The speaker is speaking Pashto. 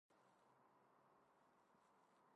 کابل د افغانستان د چاپیریال د مدیریت لپاره مهم دي.